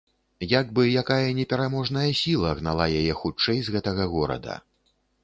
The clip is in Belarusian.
Як бы якая непераможная сіла гнала яе хутчэй з гэтага горада.